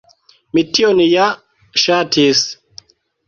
Mi tion ja ŝatis.